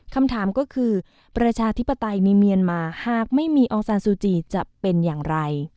คำถามก็คือประชาธิปไตยมีเมียนมาหากไม่มีอองซานซูจีจะเป็นอย่างไร